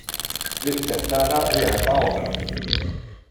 Ridtek tara realtà oħra.